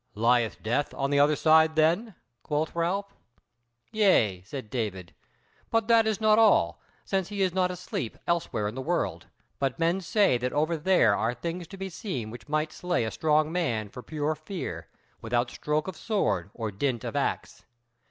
"Lieth death on the other side then?" quoth Ralph. "Yea," said David, "but that is not all, since he is not asleep elsewhere in the world: but men say that over there are things to be seen which might slay a strong man for pure fear, without stroke of sword or dint of axe."